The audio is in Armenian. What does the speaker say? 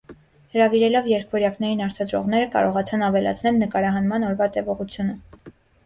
Հրավիրելով երկվորյակներին արտադրողները կարողացան ավելացնել նկարահանման օրվա տևողությունը։